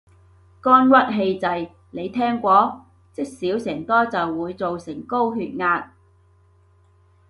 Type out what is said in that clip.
肝鬱氣滯，你聽過？積少成多就會做成高血壓